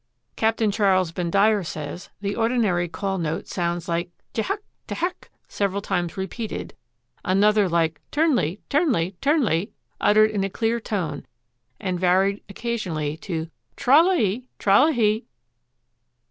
Captain Charles Bendire says: "The ordinary call note sounds like 'tehack, tehack,' several times repeated; another like 'turnlee, turnlee, turnlee,' uttered in a clear tone and varied occasionally to 'trallahee, trallahee.